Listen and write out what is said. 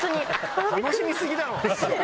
楽しみ過ぎだろ！